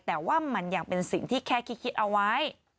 แต่ว่ามันยังเป็นสิ่งที่แค่คิดเอาไว้